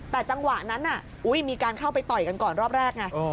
แต่จังหวะนั้นมีการเข้าไปต่อยกันก่อนรอบแรกไง